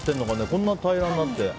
こんな平らになって。